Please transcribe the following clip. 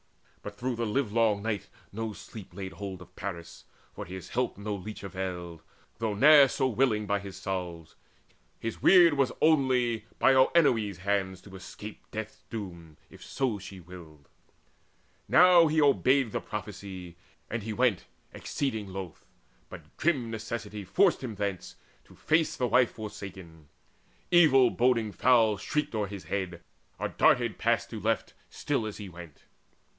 But through the livelong night no sleep laid hold On Paris: for his help no leech availed, Though ne'er so willing, with his salves. His weird Was only by Oenone's hands to escape Death's doom, if so she willed. Now he obeyed The prophecy, and he went exceeding loth, But grim necessity forced him thence, to face The wife forsaken. Evil boding fowl Shrieked o'er his head, or darted past to left, Still as he went.